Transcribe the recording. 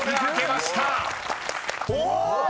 お！